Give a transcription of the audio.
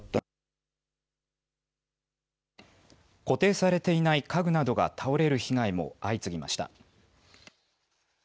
固定されていない家具などが倒れる被害も相次ぎました。